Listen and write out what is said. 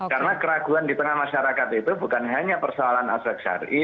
karena keraguan di tengah masyarakat itu bukan hanya persoalan aspek syarih